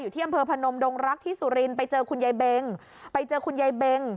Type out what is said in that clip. อยู่ที่อำเภอพนมดงรักษ์ที่สุรินทร์ไปเจอคุณายเบง